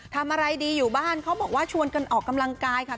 ทำอะไรดีอยู่บ้านเขาบอกว่าชวนกันออกกำลังกายค่ะ